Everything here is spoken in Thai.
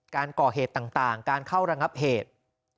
การก่อเหตุต่างการเข้าระงับเหตุ